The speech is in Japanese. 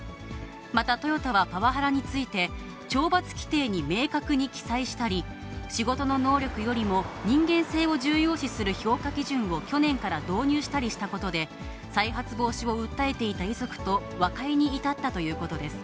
またトヨタは、パワハラについて、懲罰規定に明確に記載したり、仕事の能力よりも、人間性を重要視する評価基準を去年から導入したりしたことで、再発防止を訴えていた遺族と、和解に至ったということです。